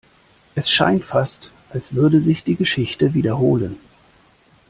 Es scheint fast, als würde sich die Geschichte wiederholen.